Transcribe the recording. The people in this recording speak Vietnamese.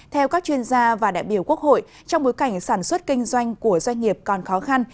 theo các chuyên gia và đại biểu quốc hội trong bối cảnh sản xuất kinh doanh của doanh nghiệp còn khó khăn